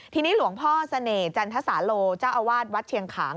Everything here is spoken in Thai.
ทีนี้หลวงพ่อเสน่ห์จันทสาโลเจ้าอาวาสวัดเชียงขาง